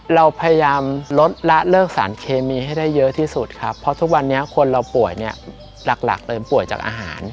เราพยายามลดละเลิกสารเคมีให้ได้เยอะที่สุดครับเพราะทุกวันนี้คนเราป่วยเนี่ยหลักเลยป่วยจากอาหาร